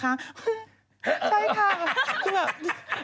ใช่ค่ะ